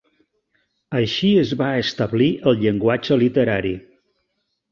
Així es va establir el llenguatge literari.